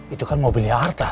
itu kan mobilnya arta